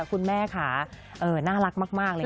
คุณแม่ค่ะน่ารักมากเลย